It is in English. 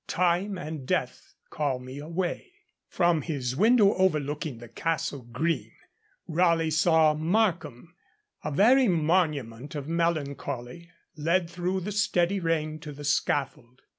Time and Death call me away. From his window overlooking the Castle Green, Raleigh saw Markham, a very monument of melancholy, led through the steady rain to the scaffold.